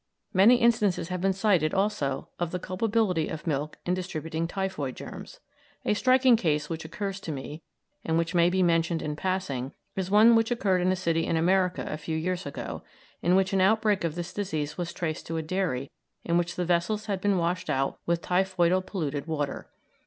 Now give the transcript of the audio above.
Many instances have been cited, also, of the culpability of milk in distributing typhoid germs. A striking case which occurs to me, and which may be mentioned in passing, is one which occurred in a city in America a few years ago, in which an outbreak of this disease was traced to a dairy in which the vessels had been washed out with typhoidal polluted water.